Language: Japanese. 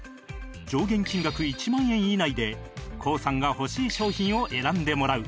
上限金額１万円以内で ＫＯＯ さんが欲しい商品を選んでもらう